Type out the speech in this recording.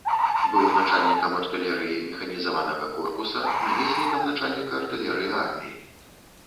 Быў начальнікам артылерыі механізаванага корпуса, намеснікам начальніка артылерыі арміі.